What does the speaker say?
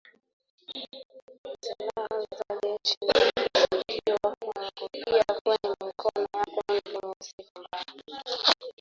Silaha za jeshi zinashukiwa kuangukia kwenye mikono ya kundi lenye sifa mbaya